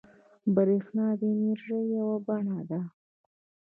بریښنا د انرژۍ یوه بڼه ده